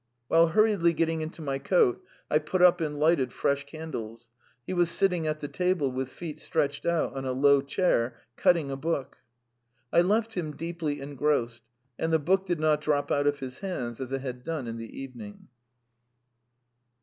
While hurriedly getting into my coat, I put up and lighted fresh candles. He was sitting at the table, with feet stretched out on a low chair, cutting a book. I left him deeply engrossed, and the book did not drop out of his hands as it had done in the evening.